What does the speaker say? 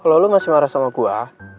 kalo lu masih marah sama gua